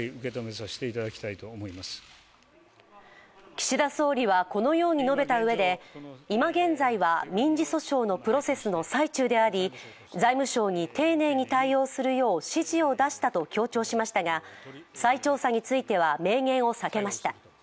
岸田総理はこのように述べたうえで、いま現在は民事訴訟のプロセスの最中であり財務省に丁寧に対応するよう指示を出したと強調しましたが、再調査については明言を避けました。